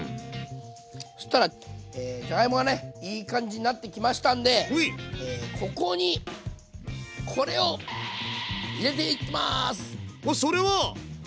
そしたらじゃがいもがねいい感じになってきましたんでここにこれを入れていきます！